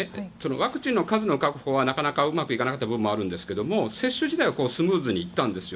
ワクチンの数の確保はなかなかうまくいかないところがあるんですが接種自体はスムーズに行ったんですよ。